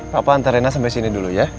papa antar rena sampai sini dulu ya